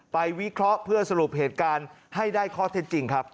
วิเคราะห์เพื่อสรุปเหตุการณ์ให้ได้ข้อเท็จจริงครับ